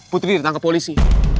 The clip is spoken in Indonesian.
putri ditangkap polisi